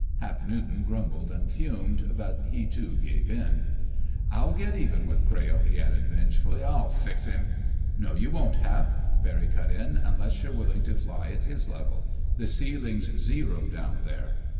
Hap Newton grumbled and fumed, but he, too, gave in. "I'll get even with Crayle," he added vengefully. "I'll fix him—" "No you won't, Hap," Barry cut in, "unless you're willing to fly at his level. The ceiling's zero down there.